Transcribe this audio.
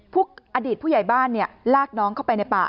อดีตผู้ใหญ่บ้านลากน้องเข้าไปในป่า